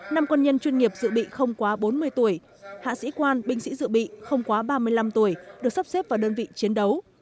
năm quân nhân chuyên nghiệp dự bị không quá bốn mươi tuổi hạ sĩ quan binh sĩ dự bị không quá ba mươi năm tuổi được sắp xếp vào đơn vị chiến đấu